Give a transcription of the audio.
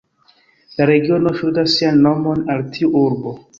La regiono ŝuldas sian nomon al tiu urbo.